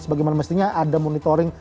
sebagaimana mestinya ada monitoring